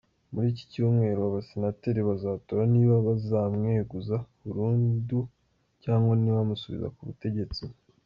Muri iki cyumweru abasenateri bazatora niba bazamweguza burundi cyangwa niba bamusubiza ku butegetsi.